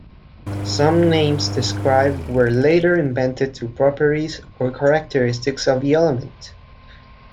Some names describe were later invented to properties or characteristics of the element.